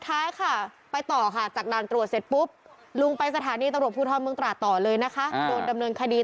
ถ้าไม่กินยางกู้อาจจะไม่คุ้นได้